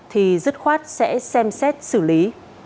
thì dứt khoát sẽ xem xét xử lý